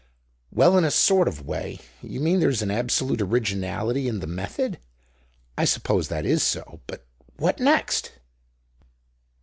"Well, in a sort of way. You mean there's an absolute originality in the method? I suppose that is so. But what next?"